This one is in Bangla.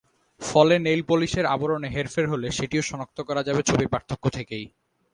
ফলে নেইলপলিশের আবরণে হেরফের হলে সেটিও শনাক্ত করা যাবে ছবির পার্থক্য থেকেই।